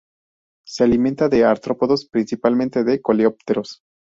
Se alimenta de artrópodos, principalmente de coleópteros.